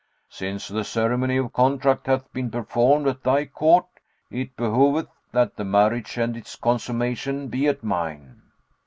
"Since the ceremony of contract hath been performed at thy court, it behoveth that the marriage and its consummation be at mine."